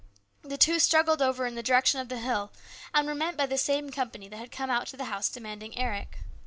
The two struggled over in the direction of the hill, and were met by the same company that had come out to the house demanding Eric.